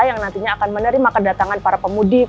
yang nantinya akan menerima kedatangan para pemudik